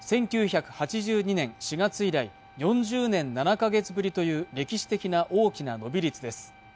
１９８２年４月以来４０年７か月ぶりという歴史的な大きな伸び率です